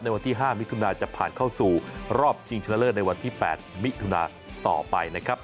วันที่๕มิถุนาจะผ่านเข้าสู่รอบชิงชนะเลิศในวันที่๘มิถุนาต่อไปนะครับ